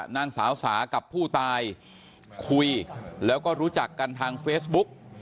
นางสาวสากับผู้ตายคุยแล้วก็รู้จักกันทางเฟซบุ๊ก